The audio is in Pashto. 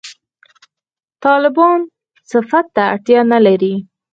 «طالبان» صفت ته اړتیا نه لري.